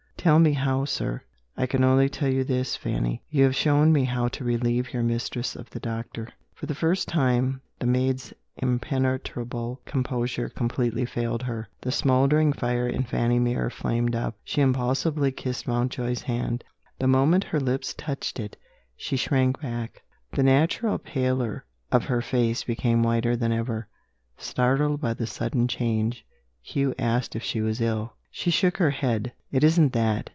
"Tell me how, sir." "I can only tell you this, Fanny. You have shown me how to relieve your mistress of the doctor." For the first time, the maid's impenetrable composure completely failed her. The smouldering fire in Fanny Mere flamed up. She impulsively kissed Mountjoy's hand. The moment her lips touched it she shrank back: the natural pallor of her face became whiter than ever. Startled by the sudden change, Hugh asked if she was ill. She shook her head. "It isn't that.